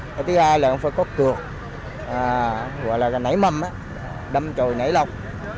cái thứ hai là nó phải có cược gọi là cái nảy mâm đâm trồi nảy lọc